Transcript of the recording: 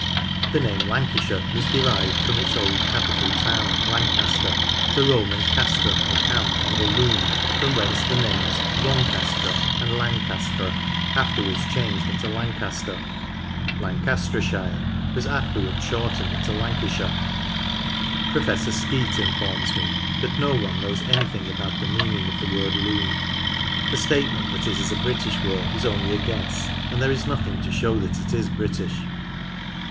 The name Lancashire was derived from its old capital town Lancaster, the Roman castrum or camp on the Lune, from whence the names Loncastre and Lancastra, afterwards changed into Lancaster. Lancastreshire was afterwards shortened into Lancashire. Professor Skeat informs me that no one knows anything about the meaning of the word Lune. The statement that it is a British word is only a guess, and there is nothing to show that it is British.